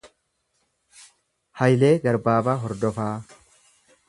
Hayilee Garbaabaa Hordofaa